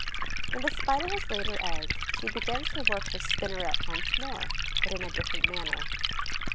When the Spider has laid her eggs, she begins to work her spinneret once more, but in a different manner.